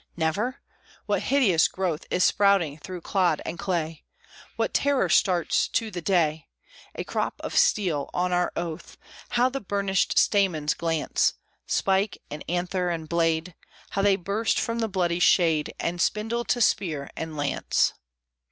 Never? what hideous growth Is sprouting through clod and clay? What Terror starts to the day? A crop of steel, on our oath! How the burnished stamens glance! Spike, and anther, and blade, How they burst from the bloody shade, And spindle to spear and lance!